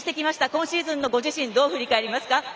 今シーズンのご自身どう振り返りますか？